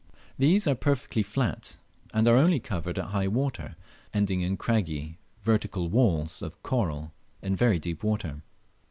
These are perfectly flat, and are only covered at high water, ending in craggy vertical walls of coral in very deep water.